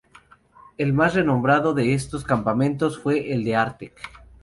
El más renombrado de estos campamentos fue el de Artek.